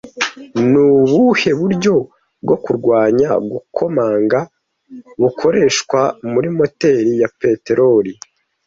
Ni ubuhe buryo bwo kurwanya gukomanga bukoreshwa muri moteri ya peteroli